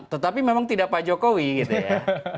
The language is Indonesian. tetapi memang tidak pak jokowi gitu ya